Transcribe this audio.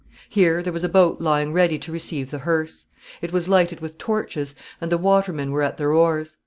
Here there was a boat lying ready to receive the hearse. It was lighted with torches, and the watermen were at their oars.